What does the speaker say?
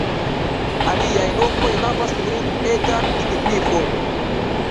Aliaj lokoj havas nur etan signifon.